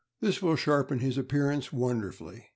This will sharpen his appear ance wonderfully.